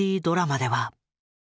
ドラマでは。